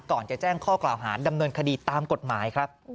ก่อนจะแจ้งข้อกล่าวหาดำเนินคดีตามกฎหมายครับ